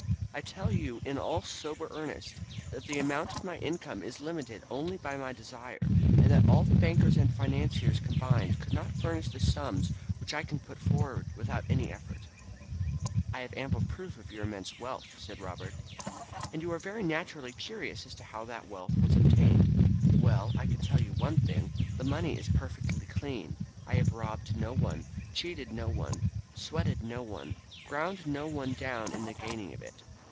I tell you in all sober earnest that the amount of my income is limited only by my desire, and that all the bankers and financiers combined could not furnish the sums which I can put forward without an effort." "I have had ample proof of your immense wealth," said Robert. "And you are very naturally curious as to how that wealth was obtained. Well, I can tell you one thing. The money is perfectly clean. I have robbed no one, cheated no one, sweated no one, ground no one down in the gaining of it.